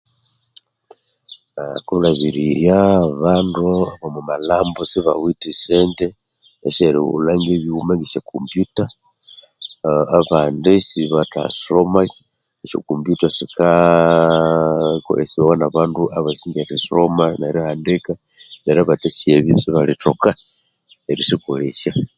Aaa Kulhabirirya abandu omu malhambo sibawithe sente esyeri ghulhako esya kombuta abandi sibatha soma, esya kombuta sikolesibawa na bandu abasi erisoma neri handika, neryo abathasi ebyo sibalithoka erisokolesya